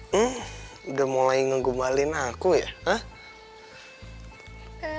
hmm udah mulai ngegumbalin aku ya hah